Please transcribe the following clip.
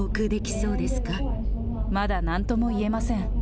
まだなんとも言えません。